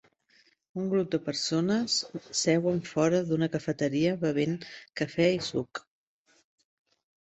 Un grup de persones seuen fora d'una cafeteria bevent cafè i suc.